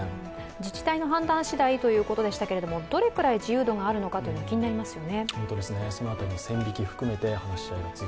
自治体の判断しだいということでしたけれども、どのくらいの自由度があるのか気になりますよね。